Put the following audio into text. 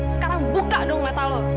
sekarang buka dong mata lo